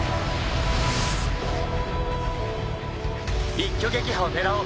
一挙撃破を狙おう。